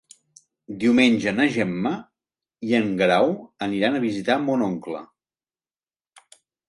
Diumenge na Gemma i en Guerau aniran a visitar mon oncle.